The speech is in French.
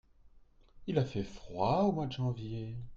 Il a fait froid au mois de janvier.